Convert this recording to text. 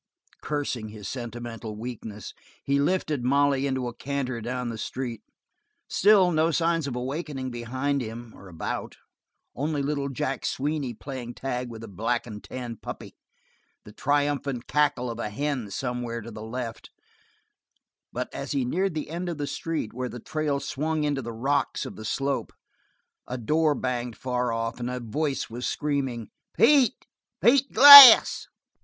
Cursing his sentimental weakness, he lifted Molly into a canter down the street. Still no signs of awakening behind him or about; only little Jack Sweeney playing tag with a black and tan puppy, the triumphant cackle of a hen somewhere to the left; but as he neared the end of the street, where the trail swung into the rocks of the slope, a door banged far off and a voice was screaming: "Pete! Pete Glass!"